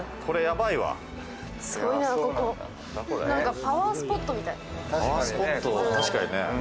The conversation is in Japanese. パワースポットみたい。